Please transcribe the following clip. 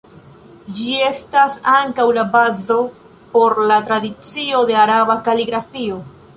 Ĝi estas ankaŭ la bazo por la tradicio de Araba kaligrafio.